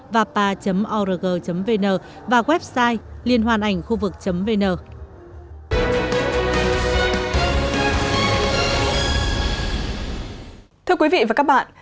và pa org vn và website liên hoan ảnh khu vực vn